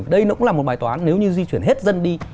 đây nó cũng là một bài toán nếu như di chuyển hết dân đi